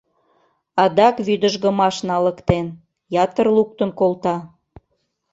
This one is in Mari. Адак вӱдыжгымаш налыктен, ятыр луктын колта.